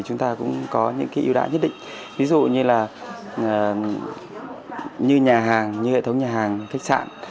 chúng ta cũng có những ưu đãi nhất định ví dụ như nhà hàng hệ thống nhà hàng khách sạn